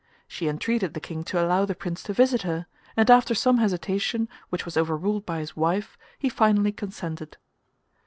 She entreated the King to allow the Prince to visit her, and after some hesitation which was overruled by his wife, he finally consented.